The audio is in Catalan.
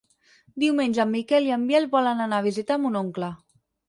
Diumenge en Miquel i en Biel volen anar a visitar mon oncle.